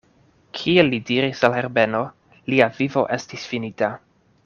Kiel li diris al Herbeno, lia vivo estis finita.